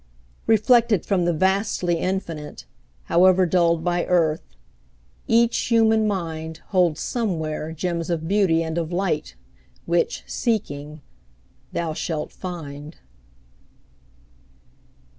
Reflected from the vastly Infinite, However dulled by earth, each human mind Holds somewhere gems of beauty and of light Which, seeking, thou shalt find.